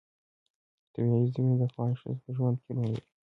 طبیعي زیرمې د افغان ښځو په ژوند کې رول لري.